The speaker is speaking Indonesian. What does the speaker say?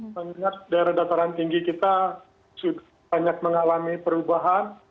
karena daerah dataran tinggi kita sudah banyak mengalami perubahan